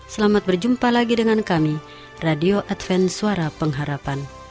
selamat berjumpa lagi dengan kami radio advent suara pengharapan